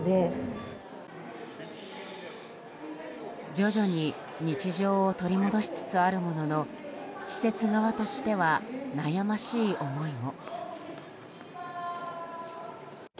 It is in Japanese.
徐々に日常を取り戻しつつあるものの施設側としては悩ましい思いも。